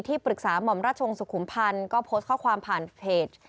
ปรึกษาหม่อมราชวงศ์สุขุมพันธ์ก็โพสต์ข้อความผ่านเพจ